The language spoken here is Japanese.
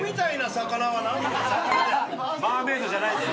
マーメイドじゃないです。